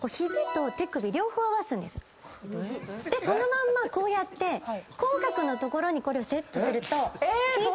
まんまこうやって口角の所にこれをセットすると。